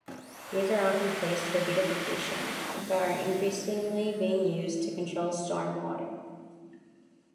These are often placed for beautification, but are increasingly being used to control stormwater.